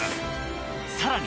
さらに！